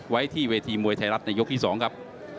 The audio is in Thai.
ไว้ที่เวทีมวยไทยรัฐในยกที่๒ครับ